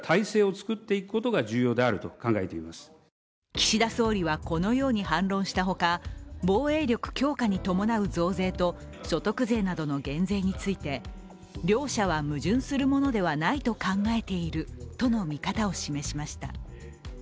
岸田総理はこのように反論したほか、防衛力強化に伴う増税と所得税などの減税について両者は矛盾するものではないと考えているとの見方を示しました。